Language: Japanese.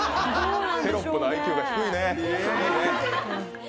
テロップのＩＱが低いね！